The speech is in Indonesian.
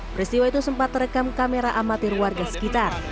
peristiwa itu sempat terekam kamera amatir warga sekitar